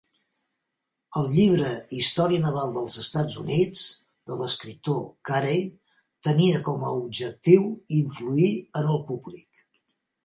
El llibre "Història naval dels Estats Units" de l'escriptor Carey tenia com a objectiu influir en el públic.